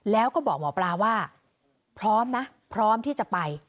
แล้วก็บอกหมอปลาว่าพร้อมนะพร้อมที่จะไป